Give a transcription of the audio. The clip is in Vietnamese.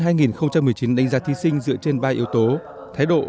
you can hai nghìn một mươi chín đánh giá thí sinh dựa trên ba yếu tố